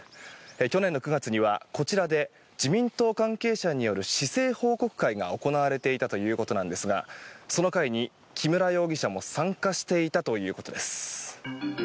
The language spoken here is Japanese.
去年の９月にはこちらで自民党関係者による市政報告会が行われていたということですがその会に木村容疑者も参加していたということです。